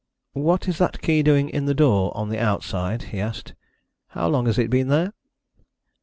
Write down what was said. "What is that key doing in the door, on the outside?" he asked. "How long has it been there?"